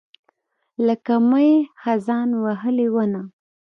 لکه مئ، خزان وهلې ونه